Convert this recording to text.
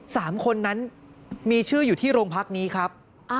สามคนนั้นมีชื่ออยู่ที่โรงพักนี้ครับ